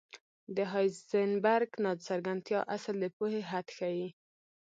د هایزنبرګ ناڅرګندتیا اصل د پوهې حد ښيي.